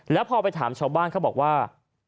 แล้วพอไปถามชาวบ้านเขาบอกว่า